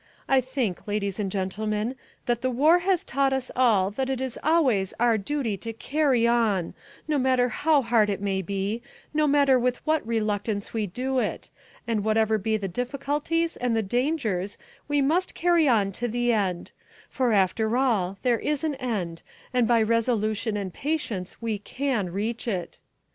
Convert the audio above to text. I think, ladies and gentlemen, that the war has taught us all that it is always our duty to 'carry on,' no matter how hard it may be, no matter with what reluctance we do it, and whatever be the difficulties and the dangers, we must carry on to the end: for after all there is an end and by resolution and patience we can reach it.